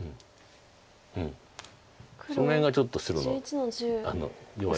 うんその辺がちょっと白の弱い。